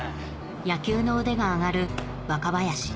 野球の腕が上がる若林